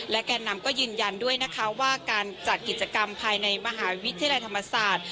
แก่นำก็ยืนยันด้วยนะคะว่าการจัดกิจกรรมภายในมหาวิทยาลัยธรรมศาสตร์